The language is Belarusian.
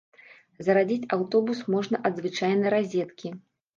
Зарадзіць аўтобус можна ад звычайнай разеткі.